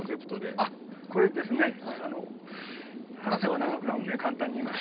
あっこれですね話せば長くなるんで簡単に言います。